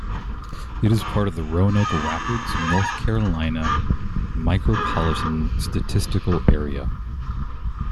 It is part of the Roanoke Rapids, North Carolina Micropolitan Statistical Area.